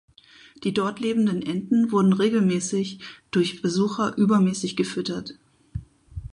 Die dort lebenden Enten wurden regelmäßig durch Besucher übermäßig gefüttert.